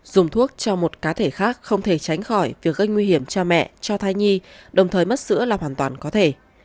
dùng thuốc cho một cá thể khác không thể tránh khỏi việc gây nguy hiểm cho mẹ cho thai nhi đồng thời mất sữa là hoàn toàn có thể